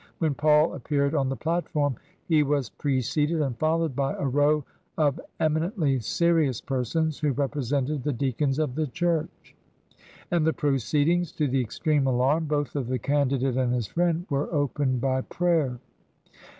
When Paul ap peared on the platform, he was preceded and followed by a row of eminently serious persons who represented the deacons of the church. And the proceedings, to the ex treme alarm both of the candidate and his friend, were opened by prayer.